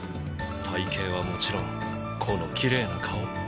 体形はもちろんこのきれいな顔。